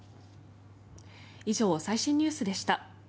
以上、最新ニュースでした。